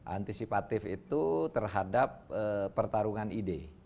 antisipatif itu terhadap pertarungan ide